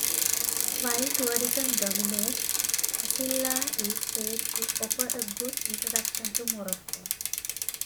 While tourism dominates, Asilah is said to offer a good introduction to Morocco.